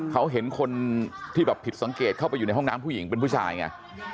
เขาเห็นคนที่แบบผิดสังเกตเข้าไปอยู่ในห้องน้ำผู้หญิงเป็นผู้ชายไง